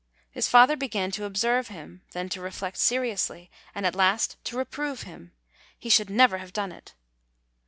His father began to observe him, then to reflect seriously, and at last to reprove him. He should never have done it!